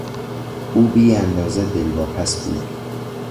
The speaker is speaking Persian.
او بی اندازه دلواپس بود.